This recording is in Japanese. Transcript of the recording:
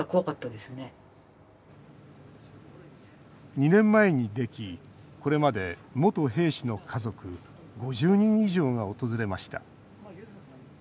２年前にできこれまで、元兵士の家族５０人以上が訪れました。